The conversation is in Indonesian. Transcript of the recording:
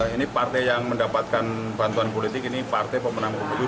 ini partai yang mendapatkan bantuan politik ini partai pemenang pemilu dua ribu sembilan belas